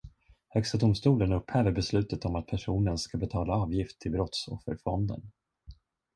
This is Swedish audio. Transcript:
Högsta domstolen upphäver beslutet om att personen ska betala avgift till brottsofferfonden.